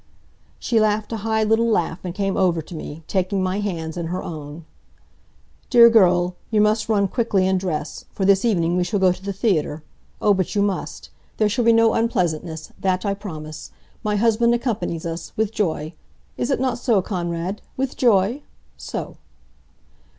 She laughed a high little laugh and came over to me, taking my hands in her own. "Dear girl, you must run quickly and dress. For this evening we go to the theater. Oh, but you must. There shall be no unpleasantness, that I promise. My husband accompanies us with joy. Is it not so, Konrad? With joy? So!"